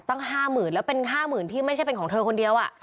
ตั้ง๕๐๐๐แล้วเป็น๕๐๐๐ที่ไม่ใช่เป็นของเธอคนเดียว